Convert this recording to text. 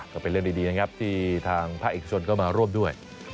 ก็เป็นเรื่องดีนะครับที่ทางภาคเอกชนก็มาร่วมด้วย